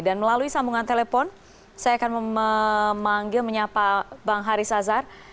dan melalui sambungan telepon saya akan memanggil menyapa bang haris azhar